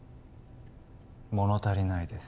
物足りないです